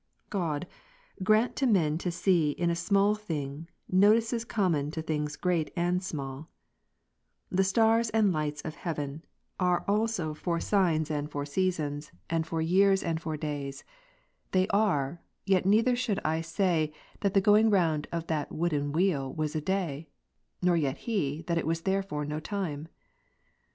God, grant to men to see in a small thing, notices common to things great and small. Gen.i, The stars and lights of heaven, are also /"or signs, and for 14. The motions of the heavenly bodies not time. 241 seasons and for years, and for days ; they are ; yet neither should I say, that the going round of that wooden wheel was a day, nor yet he, that it was therefore no time.